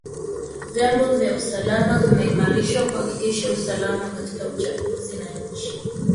vyombo vya usalama vimeimarishwa kuhakikisha usalama katika uchaguzi na nchi